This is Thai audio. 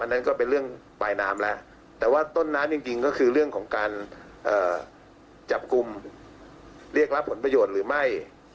นั่นก็เป็นเรื่องปลายน้ำแล้วแต่ว่าต้นน้ำจริงก็คือเรื่องของการจับกลุ่มเรียกรับผลประโยชน์หรือไม่